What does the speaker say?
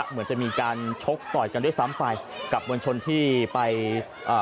เหมือนจะมีการชกต่อไหนได้สามฝ่ายกับมงชนที่ไปเอ่อ